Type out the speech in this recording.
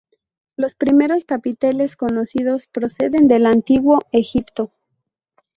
Los primeros capiteles conocidos proceden del Antiguo Egipto.